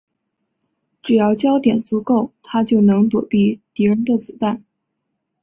只要焦点足够她就能躲避敌人的子弹。